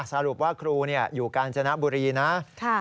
สรุปว่าครูอยู่กาญจนบุรีนะ